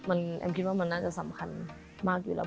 แอมคิดว่ามันน่าจะสำคัญมากอยู่แล้ว